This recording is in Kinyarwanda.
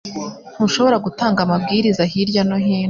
Ntushobora gutanga amabwiriza hirya no hino .